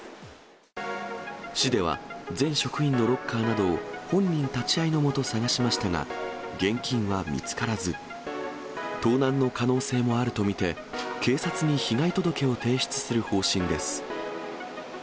市では、全職員のロッカーなどを本人立ち会いの下、捜しましたが、現金は見つからず、盗難の可能性もあると見て、警察に被害届を提出する方針です。